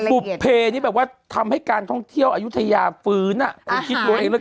อุตกรณ์ตอนเช้ากุ้งแม่น้ำไม่เหลือ